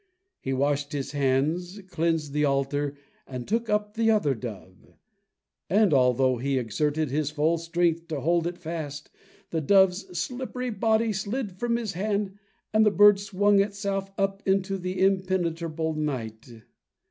He washed his hands, cleansed the altar, and took up the other dove. And, although he exerted his full strength to hold it fast, the dove's slippery body slid from his hand, and the bird swung itself up into the impenetrable night.